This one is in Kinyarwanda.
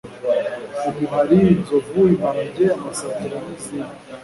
umuhari, inzovu, imparage, amasatura n'izindi